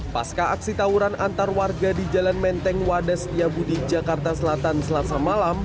pasca aksi tawuran antar warga di jalan menteng wadas setiabudi jakarta selatan selasa malam